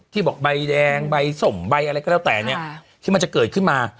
บอกใบแดงใบสมใบอะไรก็แล้วแต่เนี่ยที่มันจะเกิดขึ้นมา